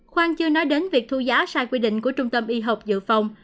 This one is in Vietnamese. khoang chưa nói đến việc thu giá sai quy định của trung tâm y học dự phòng